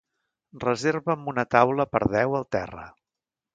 Reserva'm una taula per deu al Terra.